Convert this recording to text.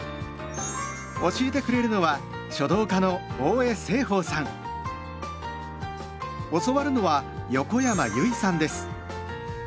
教えてくれるのは教わるのは横山由依さんです。